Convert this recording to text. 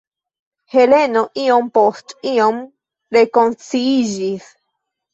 Heleno iom post iom rekonsciiĝis.